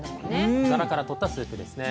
ガラから取ったスープですね。